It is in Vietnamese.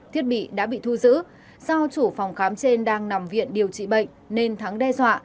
thiết bị đã bị thu giữ do chủ phòng khám trên đang nằm viện điều trị bệnh nên thắng đe dọa